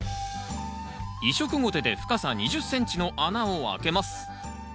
移植ゴテで深さ２０ｃｍの穴を開けます。